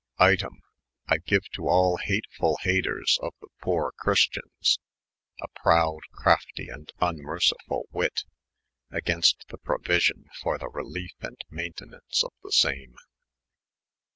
Item, I geue to aU hatefall haters of the poore Christians, a proude, crafty, & vnmercifoU wyt, agaynst the prouision for the releyfe and maintinaunce of the same.